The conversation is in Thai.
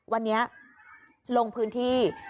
วันนี้ลงพื้นที่